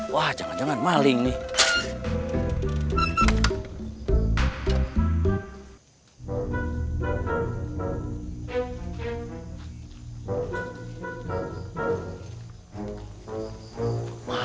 wah jangan jangan maling nih